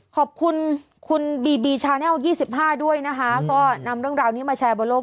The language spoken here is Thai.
ขอบคุณคุณบีบีชาแนล๒๕ด้วยนะคะก็นำเรื่องราวนี้มาแชร์บนโลก